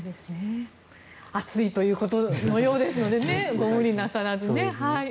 暑いということのようですのでご無理なさらずね。